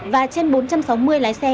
và trên bốn trăm sáu mươi lái xe